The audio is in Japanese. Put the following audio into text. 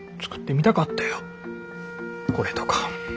これとか。